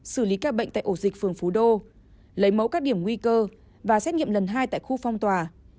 xử lý ca bệnh tại ổ dịch phường phú đô lấy mẫu các điểm nguy cơ và xét nghiệm lần hai tại khu phong tỏa